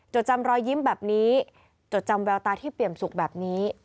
จดจำรอยยิ้มแบบนี้จดจำแววตาที่เปี่ยมสุขแบบนี้